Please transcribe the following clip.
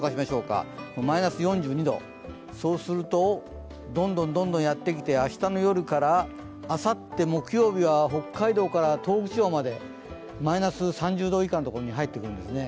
マイナス４２度、そうすると、どんどんやってきて明日の夜からあさって木曜日は北海道から東北地方までマイナス３０度以下の所に入ってくるんですね。